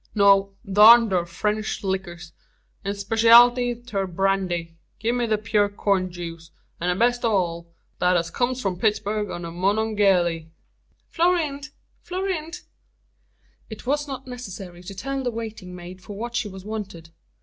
No; darn thur French lickers; an specially thur brandy. Gi' me the pure corn juice; an the best o' all, thet as comes from Pittsburgh on the Monongaheely." "Florinde! Florinde!" It was not necessary to tell the waiting maid for what she was wanted.